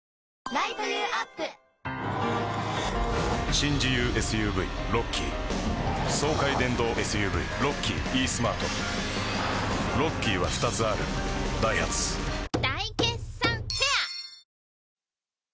新自由ＳＵＶロッキー爽快電動ＳＵＶロッキーイースマートロッキーは２つあるダイハツ大決算フェア